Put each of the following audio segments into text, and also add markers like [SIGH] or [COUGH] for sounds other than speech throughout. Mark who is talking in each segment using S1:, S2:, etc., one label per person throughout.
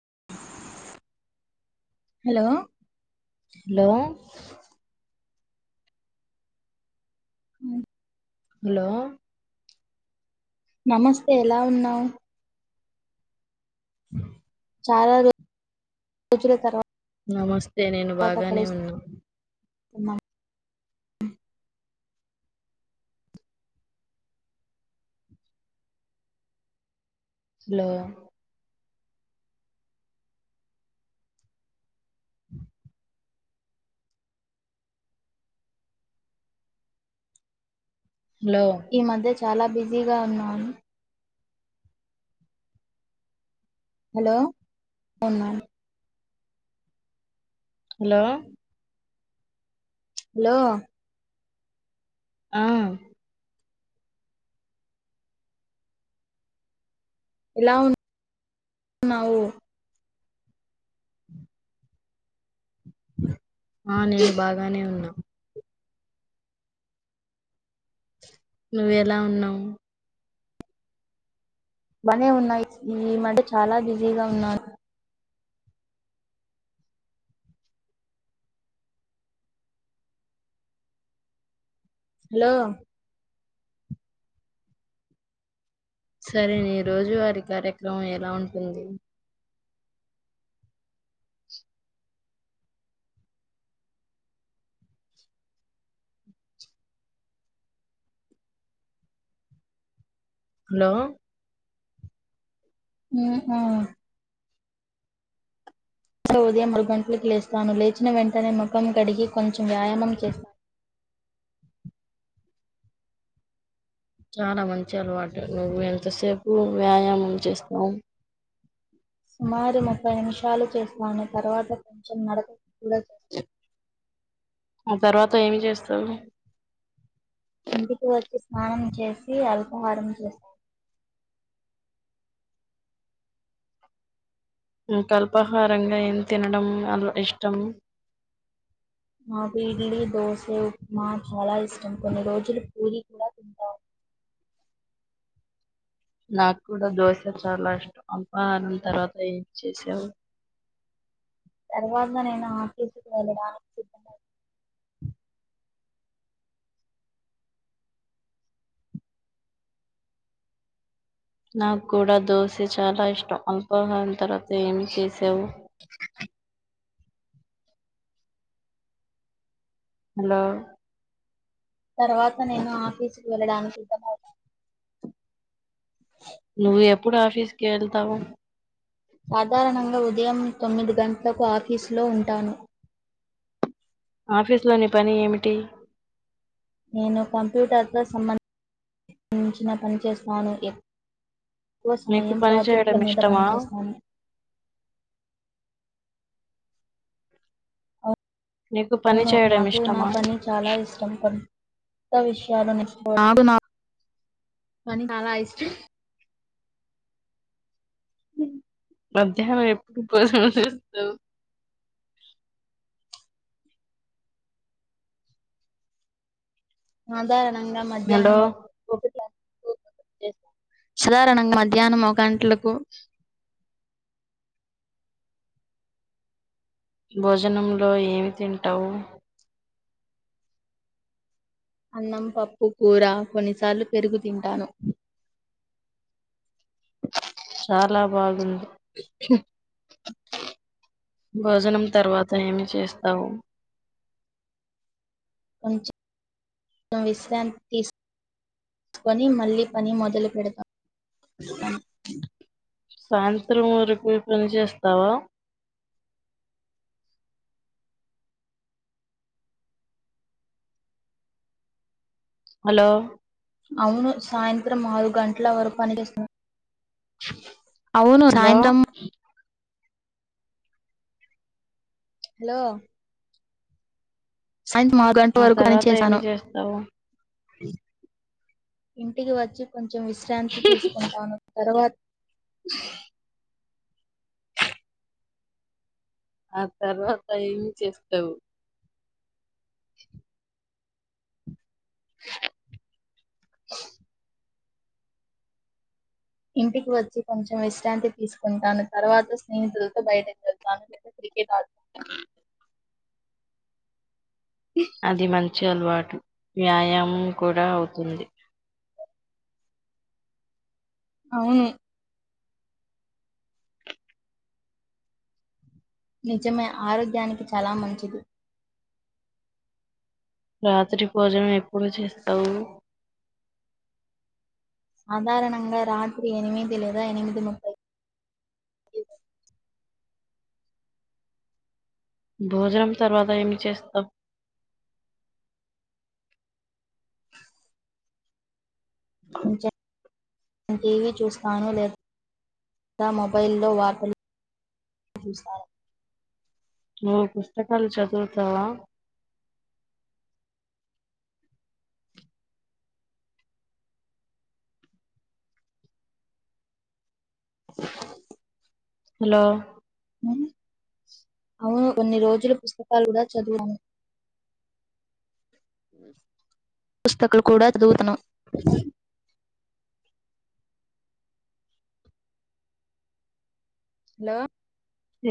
S1: [UNINTELLIGIBLE]
S2: Hello
S1: hello hello
S2: నమస్తే ఎలా ఉన్నావ్.
S1: అ
S2: చాలా రోజు రోజుల తర్వాత
S1: నమస్తే నేను బాగానే ఉన్నా
S2: ఉన్నా
S1: హలో ఆ హలో
S2: ఈ మధ్య చాలా బిజీగా ఉన్నాను హలో ఫను మ్యాడం
S1: హలో
S2: హలో
S1: ఆ
S2: ఎలా ఉన్నావు బ
S1: ఆ నేను బాగానే ఉన్నా నువ్వ ఎలా ఉన్నావు
S2: బనే ఉన్నాయి ఈ మంట చాలా బిజీగా ఉన్నాను హలో
S1: సరే నీ రోజు వారి కార్యక్రమం ఎలా ఉంటుంది హలో
S2: ఉ ఊ ఉదయం మరు గంటలకి లేస్తాను లేచిన వెంటనే మా మొఖం కడిగి కొంచెం వ్యాయామం ఓకే
S1: చాలా మంచి అలవాటు నువ్వు ఎంతసేపు వ్యాయామం చేస్తావు
S2: సుమారు ముప్పై నిమిషాలు చేశాను తర్వాత కొంచెం నడక లే
S1: ఆ తర్వాత ఏమి చేస్తావు
S2: ఇంటికి వచ్చి స్నానం చేసి అల్పహారం చేశాారు
S1: ఇంకా అల్పాహారంగా ఏం తినడం అల ఇష్టం
S2: నాకు ఇడ్లీ దోశ ఉప్మా చాలా ఇష్టం కొన్ని రోజులు పూరి కూడా తింటావు
S1: నాకు కూడా దోస చాలా ఇష్టం అ ఆ తర్వాతయి చేసావ్
S2: తర్వాత నేను ఆఫీసుకు వెళ్ళడానికి సిద్ధమ
S1: నాకు కూడా దోశ చాలా ఇష్టం అల్పాహారం తర్వాత ఏమి చేసావు హలో
S2: తర్వాత నేను ఆఫీసుకి వెళ్ళడానికి సిద్ధమవుతాను
S1: నువ్వు ఎప్పుడు ఆఫీస్కి వెళ్తావు
S2: సాధారణంగా ఉదయం తొమ్మిది గంటలకు ఆఫీసులో ఉంటాను
S1: ఆఫీసు లో ని పని ఏమిటి
S2: నేను కంప్యూటర్తో సంబంధించిన పని చేస్తాను ఎక్కువ
S1: నీకు
S2: సమయం
S1: పని చేయడం
S2: ప్రాజెక్టుల మీద
S1: ఇష్టమా
S2: పనిచేస్తాను.
S1: నీకు పని
S2: అవును
S1: చేయడం
S2: నాకు నా
S1: ఇష్టమా
S2: పని చాలా ఇష్టం పని విషయాలు [UNINTELLIGIBLE] చాలా ఇష్టం
S1: మధ్యాహ్నం ఎప్పుడు భోజనం చేస్తావు
S2: ఉదాహరణ నిన్న
S1: హలో
S2: మధ్యాహ్నం ఒక క్లాస్ సాధారణంగా మధ్యాహ్నం ఒక గంటలకు
S1: భోజనంలో ఏమి తింటావు
S2: అన్నం పప్పు కూర కొన్నిసార్లు పెరుగు తింటాను.
S1: చాలా బాగుంది. భోజనం తర్వాత ఏమి చేస్తావు.
S2: కొంచం విశ్రాంతి తీసుకొని మళ్ళీ పని మొదలు పెడతాం
S1: సాయంత్రం రు విపలు చేస్తావా హలో
S2: అవును సాయంత్రం ఆరు గంటల వరకు పనిచేస్తాను అవును
S1: హలో
S2: సాయంత్రం హలో సాయంత్రం ఆరు గంటల
S1: ఆ
S2: వరకు పని
S1: తర్వాత ఏమి
S2: చేశాను.
S1: చేస్తావు
S2: ఇంటికి వచ్చి కొంచం కొంచెం విశ్రాంతి తీసుకుంటాను. తర్వాత
S1: ఆ తర్వాత ఏమి చేస్తావు
S2: ఇంటికి వచ్చి కొంచెం విశ్రాంతి తీసుకుంటాను. తర్వాత స్నేహితులతో బయటకి వెళ్తాను క్రికెట్ ఆడు
S1: అది మల్లి చి అలవాటు వ్యాయామం కూడా అవుతుంది
S2: అవును నిజమే ఆరోగ్యానికి చాలా మంచిది.
S1: రాత్రి భోజనం ఎప్పుడు చేస్తావు
S2: సాధారణంగా రాత్రి ఎనిమిది లేదా ఎనిమిది ముప్పై
S1: భోజనం తర్వాత ఏమి చేస్తాం
S2: అంచా నేను టీవీ చూస్తాను లేదా లేదా మొబైల్లో వార్తలు చూస్తాను.
S1: నువు పుస్తకాలు చదువుతావా హలో
S2: హుమ్ అవును కొన్ని రోజులు పుస్తకాలు కూడా చదువాను
S1: ఉ
S2: తకులు కూడా చదువుతను హలో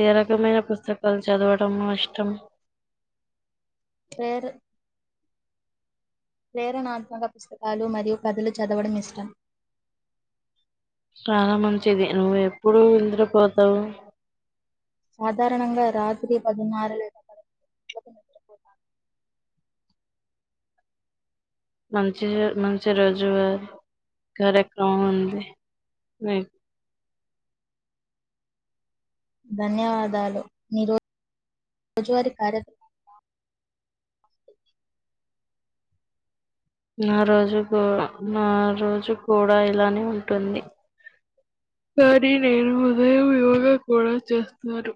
S1: ఏ రకమైన పుస్తకాలు చదవడంము ఇష్టం
S2: పేరు ప్రేరణాత్మక పుస్తకాలు మరియు కథలు చదవడం ఇష్టం
S1: చాలా మంచిది నువ్వు ఎప్పుడు నిదురపోతావు
S2: సాధారణంగా రాత్రి పదన్నార [UNINTELLIGIBLE]
S1: మంచి మంచి రోజువారి కార్యక్రమం ఉంది మీ
S2: ధన్యవాదాలు ని రోజువారి కార్యక్రమాలు
S1: నా రోజు నా రోజు కూడా ఇలానే ఉంటుంది కానీ నేను ఉదయం యోగా కూడా చేస్తను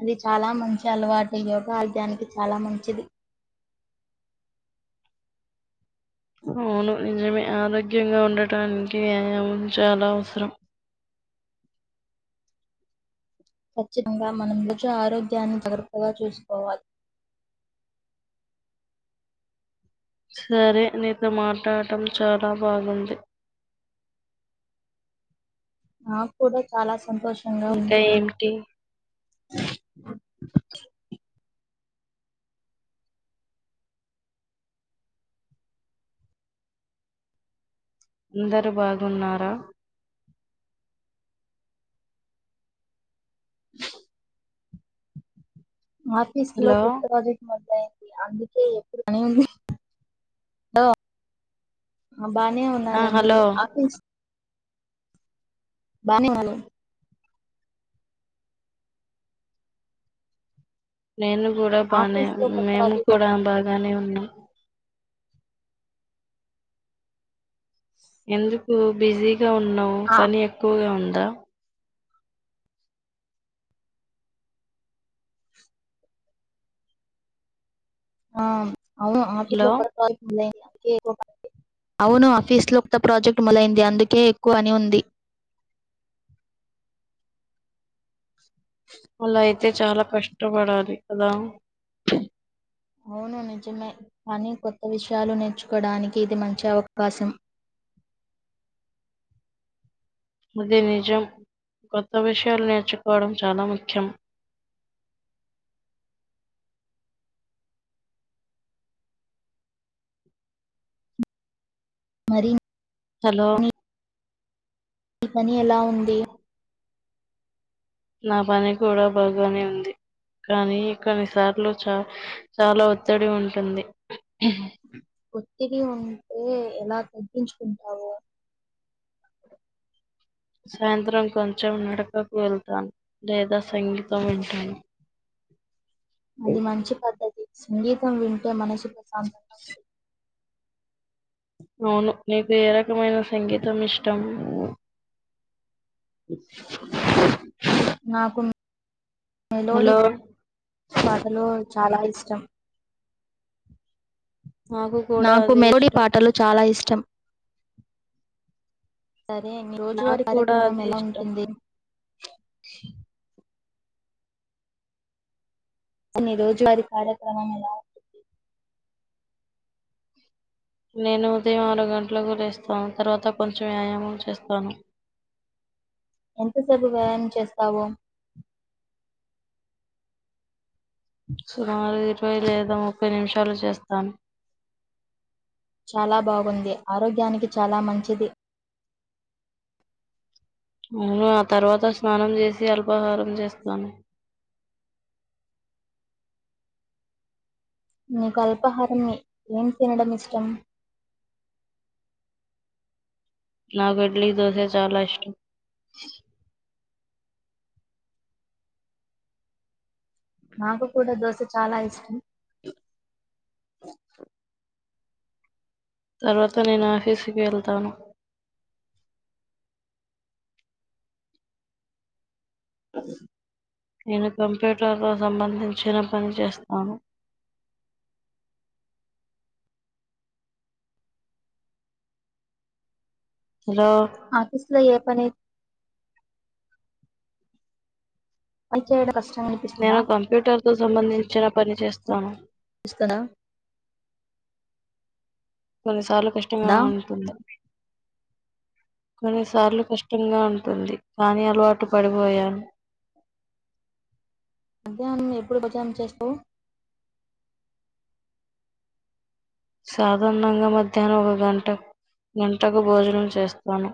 S2: అది చాలా మంచి అలవాటు యోగ ఆరోగ్యానికి చాలా మంచిది
S1: అవును నిజమే ఆరోగ్యంగా ఉండటానికి వ్యాయామం చాలా అవసరం
S2: ఖచ్చితంగా మనం రోజు ఆరోగ్యాన్ని జాగ్రత్తగా చూసుకోవాలి
S1: సరే నీతో మాట్లడటం చాలా బాగుంది
S2: నాక్కూడా చాలా సంతోషంగా
S1: ఇంకా
S2: ఉంది.
S1: ఏమిటి బ అందరు బాగున్నారా [INAUDIBLE]
S2: ఆఫీస్ లో
S1: హలో!
S2: కొత్త ప్రాజెక్ట్ మొ ంది అందుకే ఎప్పుడు పని ఉంది హ బానే
S1: ఆ!
S2: ఉన్నారు అందరు
S1: హలో!
S2: ఆఫీస్ బానే [UNINTELLIGIBLE] న్నారు
S1: నేను కూడా బానే
S2: ఆఫీస్ లో కొత్త
S1: మేము
S2: ప్రాజెక్ట్
S1: కూడా బాగానే ఉన్నా ఎందుకు బిజీ గా ఉన్నావు
S2: ఆ
S1: పని ఎక్కువగా ఉన్ దా
S2: ఆ అవును ఆఫీస్ లో
S1: హలో!
S2: [UNINTELLIGIBLE] గా అవును ఆఫీసు లో త్త ప్రాజెక్ట్ మొదలైంది అందుకే ఎక్కువ పని ఉంది
S1: అలా అయితే చాలా కష్టపడాలి కదా
S2: అవును నిజమే కానీ కొత్త విషయాలు నేర్చుకోడానికి ఇది మంచి అవకాశం
S1: ఇది నిజం కొత్త విషయాలు నేర్చుకోవడం చాలా ముఖ్యం
S2: మరి
S1: హలో
S2: నీ పని ఎలా ఉంది
S1: నా పని కూడా బాగానే ఉంది కానీ కొన్నిసార్లు చా చాలా ఒత్తిడి ఉంటుంది
S2: ఒత్తిడి ఉంటే ఎలా తగ్గించుకుంటావు
S1: సాయంత్రం కొంచెం నడకకు వెళ్తాను లేదా సంగీతం వింటాను
S2: అది మంచి పద్ధతి సంగీతం వింటే మనసు ప్రశాంతంగా ఉంటుంది
S1: అవును నీకు ఏ రకమైన సంగీతం ఇష్టం
S2: నాకు మెలోడి
S1: హలో
S2: పాటలు చాలా ఇష్టం
S1: నాకు కూడా
S2: నాకు
S1: అదే
S2: మెలోడీ
S1: ఇష్టం
S2: పాటలు చాలా ఇష్ టమ్ సరే
S1: నాకు
S2: రోజువారి
S1: కూడా
S2: కార్యక్రమం
S1: అదే
S2: ఎలా
S1: ఇష్టం
S2: ఉంటుంది నీ రోజువారిీ కార్యక్రమం ఎలాఉంది
S1: నేను ఉదయం ఆరు గంటలకు లేస్తాను తర్వాత కొంచెం వ్యాయామం చేస్తాను
S2: ఎంత సేపు వ్యాయాయం చేస్తాఓ
S1: సుమమారు ఇరవై లేదా ముప్పై నిమిషాలు చేస్తాను
S2: చాలా బాగుంది ఆరోగ్యానికి చాలా మంచిది
S1: అవును ఆ తర్వాత స్నానం చేసి అల్పాహారం చేస్తాను
S2: నీకు అల్పాహారాన్ని ఏం తినడం ఇష్టం
S1: నాకు ఇడ్లీ దోశ చాలా ఇష్టం
S2: [INAUDIBLE] నాకు కూడా దోశ చాలా ఇష్టం
S1: [INAUDIBLE] తర్వాత నేను ఆఫీసుకిి వెళ్తాను నేను కంప్యూటర్తో సంబంధించిన పని చేస్తాను హలో
S2: ఆఫీస్ లో ఏ పని పని చేయడం కష్ట
S1: నేను కంప్యూటర్ తో సంబంధించిన పని చేస్ తను
S2: ఇస్తరా
S1: కొన్ని సార్లు కష్టంగా ఉంటుంది కొన్నిసార్లు కష్టంగా ఉంటుంది కానీ అలవాటు పడిపోయాను
S2: మధ్యాహ్నం ఎప్పుడు భోజనం చేస్తావు
S1: సాధారణంగా మధ్యాహ్నం ఒగ గంటకు భోజనం చేస్తాను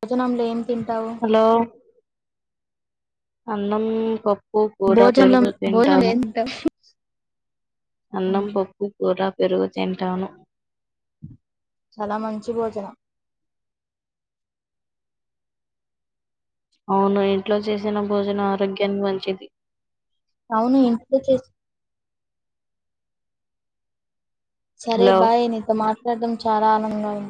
S2: భోజనం లేం తింటావు
S1: హలో అన్నం పప్ ప్పు కూర
S2: భోజనం
S1: పెరుగు
S2: భోజనం
S1: తింటాము
S2: ఏం తింటావు
S1: అన్నం పప్పు కూర పెరుగు తింటాను
S2: చాలా మంచి భోజనం
S1: అవును ఇంట్లో చేసిన భోజన ఆరోగ్యానికి మంచిది
S2: అవును ఇంటిలో చేసి సరే
S1: హలో
S2: బాయ్ నీతో మా టమ్ చాలా ఆనందంగా ఉంది